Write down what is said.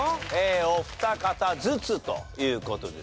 お二方ずつという事ですね。